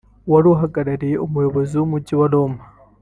wari uhagarariye Umuyobozi w’Umujyi wa Roma